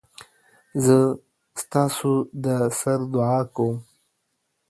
زه ستاسودسر دعاکوم